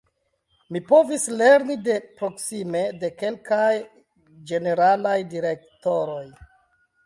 Mi povis lerni de proksime de kelkaj ĝeneralaj direktoroj.